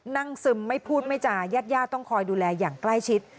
ซึมไม่พูดไม่จาญาติญาติต้องคอยดูแลอย่างใกล้ชิด